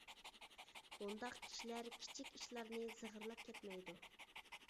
بۇنداق كىشىلەر كىچىك ئىشلارنى زىغىرلاپ كەتمەيدۇ.